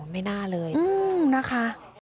ไม่น่าเลยนะคะ